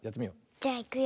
じゃいくよ。